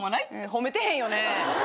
褒めてへんよね？